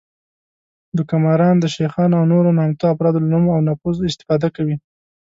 دوکه ماران د شیخانو او نورو نامتو افرادو له نوم او نفوذ استفاده کوي